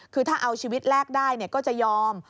คือถ้าเอาชีวิตแรกได้ก็จะยอม